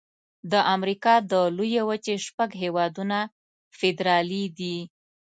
د امریکا د لویې وچې شپږ هيوادونه فدرالي دي.